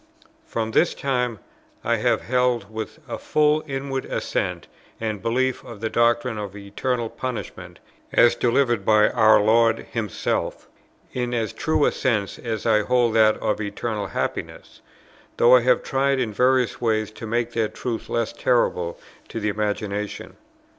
From this time I have held with a full inward assent and belief the doctrine of eternal punishment, as delivered by our Lord Himself, in as true a sense as I hold that of eternal happiness; though I have tried in various ways to make that truth less terrible to the imagination.